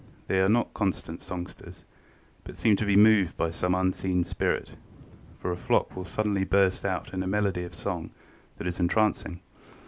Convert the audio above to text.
They are not constant songsters, but seem to be moved by some unseen spirit, for a flock will suddenly burst out in a melody of song that is entrancing.